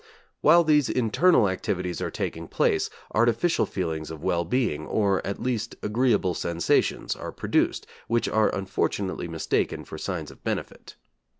While these internal activities are taking place, artificial feelings of well being, or, at least, agreeable sensations, are produced, which are unfortunately mistaken for signs of benefit.